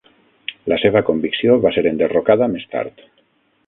La seva convicció va ser enderrocada més tard.